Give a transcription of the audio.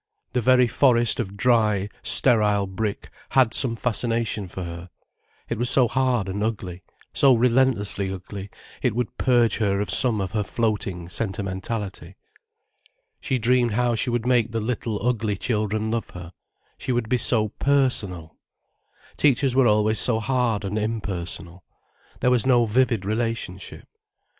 The very forest of dry, sterile brick had some fascination for her. It was so hard and ugly, so relentlessly ugly, it would purge her of some of her floating sentimentality. She dreamed how she would make the little, ugly children love her. She would be so personal. Teachers were always so hard and impersonal. There was no vivid relationship.